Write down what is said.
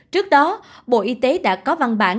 trước đó bộ y tế đã có văn bản